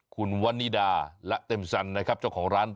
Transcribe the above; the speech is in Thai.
คุณวันนิดาและเต็มสันนะครับเจ้าของร้าน